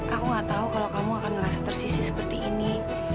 aku gak tahu kalau kamu akan merasa tersisi seperti ini